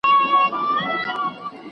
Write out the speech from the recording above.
جار دي سم روپۍ، چي هم سپر ئې، هم گدۍ.